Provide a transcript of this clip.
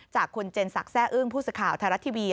จากคุณเจนสักแซ่อื้งผู้สึกข่าวไทยรัฐทีวี